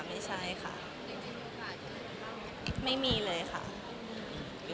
อย่างงานสุทธิ์ที่เราทำ